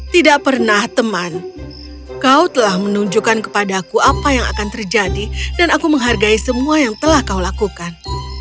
tidak pernah teman kau telah menunjukkan kepada aku apa yang akan terjadi dan aku menghargai semua yang telah kau lakukan